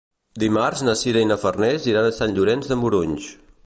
Dimarts na Sira i na Farners iran a Sant Llorenç de Morunys.